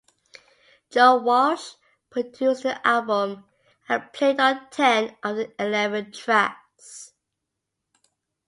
Joe Walsh produced the album and played on ten of the eleven tracks.